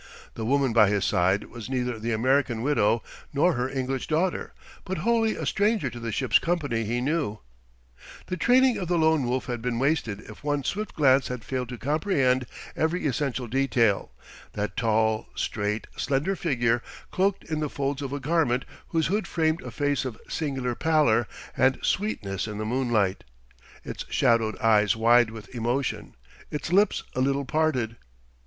The woman by his side was neither the American widow nor her English daughter, but wholly a stranger to the ship's company he knew. The training of the Lone Wolf had been wasted if one swift glance had failed to comprehend every essential detail: that tall, straight, slender figure cloaked in the folds of a garment whose hood framed a face of singular pallor and sweetness in the moonlight, its shadowed eyes wide with emotion, its lips a little parted....